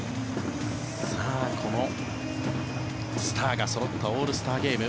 このスターがそろったオールスターゲーム。